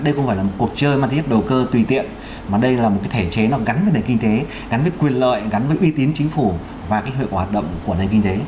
đây không phải là một cuộc chơi mà thiết đồ cơ tùy tiện mà đây là một cái thể chế nó gắn với nền kinh tế gắn với quyền lợi gắn với uy tín chính phủ và cái hội hoạt động của nền kinh tế